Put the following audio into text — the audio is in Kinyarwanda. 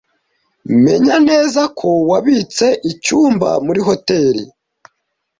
Menya neza ko wabitse icyumba muri hoteri.